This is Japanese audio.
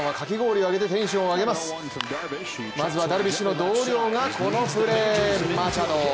まずはダルビッシュの同僚がこのプレー、マチャド。